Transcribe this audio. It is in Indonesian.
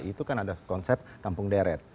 itu kan ada konsep kampung deret